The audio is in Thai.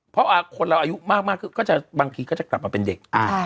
เพราะคนเราอายุมากขึ้นก็จะบางทีก็จะกลับมาเป็นเด็ก